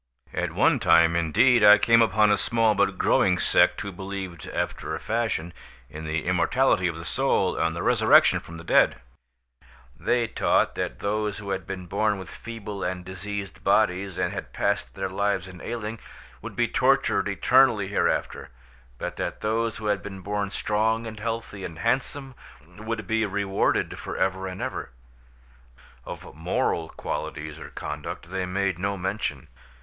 At one time indeed I came upon a small but growing sect who believed, after a fashion, in the immortality of the soul and the resurrection from the dead; they taught that those who had been born with feeble and diseased bodies and had passed their lives in ailing, would be tortured eternally hereafter; but that those who had been born strong and healthy and handsome would be rewarded for ever and ever. Of moral qualities or conduct they made no mention.